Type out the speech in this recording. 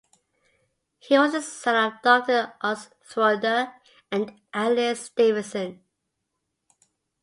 He was the son of Doctor Ansthruder and Alice Davidson.